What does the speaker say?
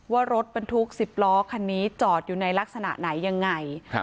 ว่ารถบรรทุก๑๐ล้อคันนี้จอดอยู่ในลักษณะไหนยังไง